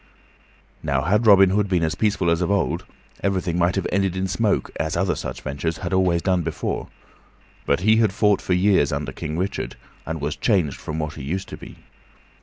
Now, had Robin Hood been as peaceful as of old, everything might have ended in smoke, as other such ventures had always done before; but he had fought for years under King Richard, and was changed from what he used to be.